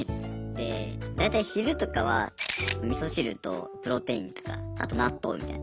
大体昼とかはみそ汁とプロテインとかあと納豆みたいな。